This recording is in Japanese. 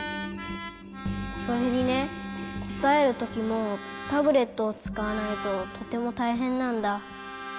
それにねこたえるときもタブレットをつかわないととてもたいへんなんだ。